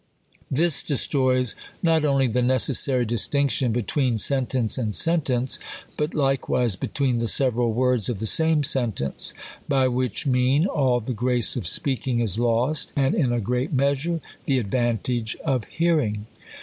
This destroys not only the necessary distinction between sen tence and sentence, but likewise between the several words of, the same sentence ; by which mean, all the grace of speaking is lost, and in a great measure, the advantage of hearing.